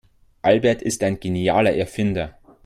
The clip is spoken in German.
Albert ist ein genialer Erfinder.